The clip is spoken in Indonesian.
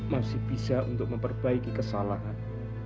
masih bisa untuk memperbaiki kesalahan